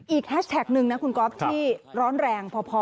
แฮชแท็กหนึ่งนะคุณก๊อฟที่ร้อนแรงพอ